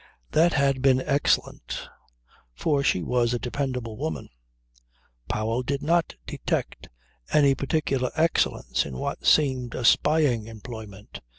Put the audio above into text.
That had been excellent. For she was a dependable woman. Powell did not detect any particular excellence in what seemed a spying employment.